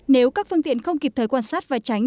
nếu các phương tiện không kịp thời quan sát và tránh